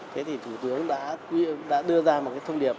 thế thì thủ tướng đã đưa ra một cái thông điệp